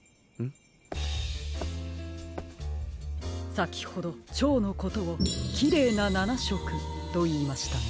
さきほどチョウのことを「きれいな７しょく」といいましたね。